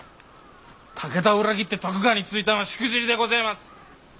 武田を裏切って徳川についたんはしくじりでごぜます。